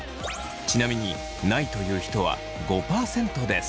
ちなみにないという人は５％です。